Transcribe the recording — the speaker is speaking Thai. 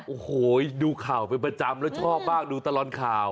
โอ้โหดูข่าวเป็นประจำแล้วชอบมากดูตลอดข่าว